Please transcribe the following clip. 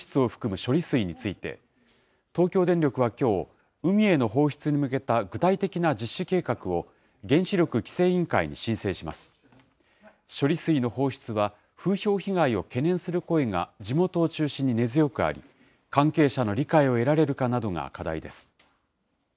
処理水の放出は、風評被害を懸念する声が地元を中心に根強くあり、関係者の理解を得られるかなどが課題です。